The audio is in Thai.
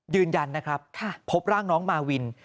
ยืนยันนะครับพบร่างน้องมาวิน